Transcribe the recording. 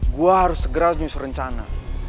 gua harus segera nyusur rencana